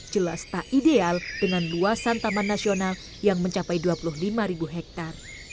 jelas tak ideal dengan luasan taman nasional yang mencapai dua puluh lima ribu hektare